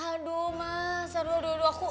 aduh mas aduh aduh aduh